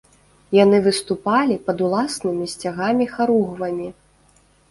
Яны выступалі пад уласнымі сцягамі-харугвамі.